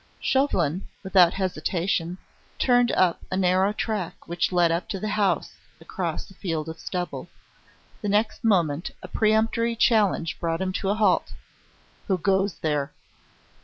Chauvelin, without hesitation, turned up a narrow track which led up to the house across a field of stubble. The next moment a peremptory challenge brought him to a halt. "Who goes there?"